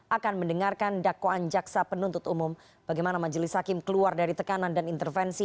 akan mendengarkan dakwaan jaksa penuntut umum bagaimana majelis hakim keluar dari tekanan dan intervensi